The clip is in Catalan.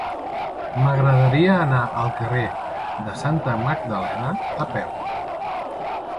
M'agradaria anar al carrer de Santa Magdalena a peu.